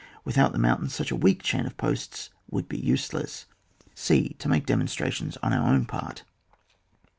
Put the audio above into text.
With out the mountains, such a weak chain of posts would be useless. c. To make demonstrations on our own part.